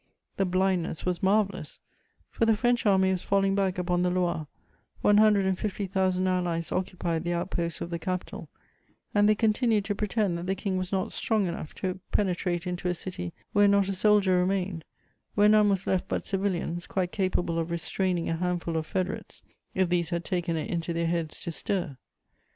The blindness was marvellous, for the French Army was falling back upon the Loire, one hundred and fifty thousand allies occupied the outposts of the capital, and they continued to pretend that the King was not strong enough to penetrate into a city where not a soldier remained, where none was left but civilians, quite capable of restraining a handful of federates, if these had taken it into their heads to stir.